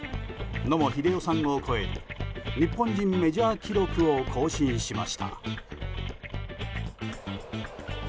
野茂英雄さんを超える日本人メジャー記録を更新しました。